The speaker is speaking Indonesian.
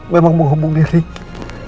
memang menghubungi riki